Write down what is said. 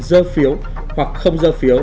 dơ phiếu hoặc không dơ phiếu